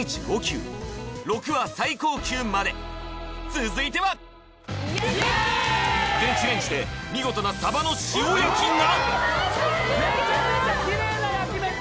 続いては電子レンジで見事なさばの塩焼きが！？